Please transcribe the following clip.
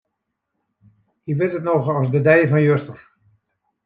Hy wit it noch as de dei fan juster.